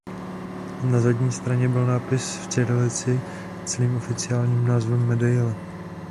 Na zadní straně byl nápis v cyrilici s celým oficiálním názvem medaile.